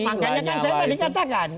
makanya kan saya tadi katakan